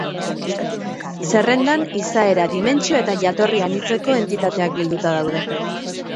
Zerrendan izaera, dimentsio eta jatorri anitzeko entitateak bilduta daude.